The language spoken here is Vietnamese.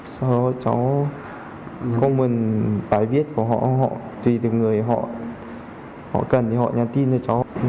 sau đó cháu không muốn bài viết của họ họ tùy từ người họ cần thì họ nhắn tin cho cháu